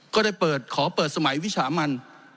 ก็ได้เปิดขอเปิดสมัยวิสามัน